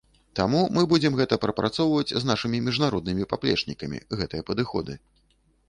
Таму мы будзем гэта прапрацоўваць з нашымі міжнароднымі паплечнікамі, гэтыя падыходы.